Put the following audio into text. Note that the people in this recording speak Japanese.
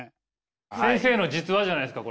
先生の実話じゃないですか？